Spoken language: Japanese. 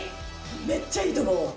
めっちゃいいと思う。